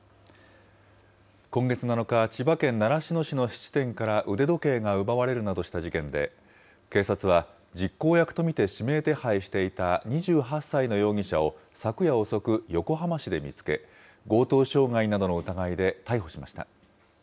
今月７日、千葉県習志野市の質店から腕時計が奪われるなどした事件で、警察は、実行役と見て指名手配していた２８歳の容疑者を昨夜遅く、横浜市で見つけ、強盗傷害などの疑いで逮捕しました。